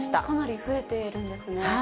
かなり増えているんですね。